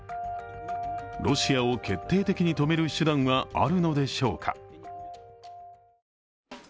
ロシアを決定的に止める手段はあるのでしょうか。